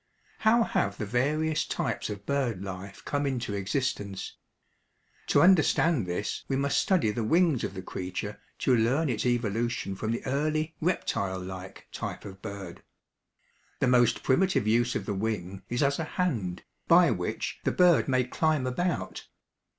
How have the various types of bird life come into existence? To understand this we must study the wings of the creature to learn its evolution from the early reptile like type of bird. The most primitive use of the wing is as a hand, by which the bird may climb about.